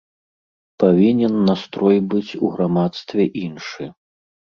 Павінен настрой быць у грамадстве іншы.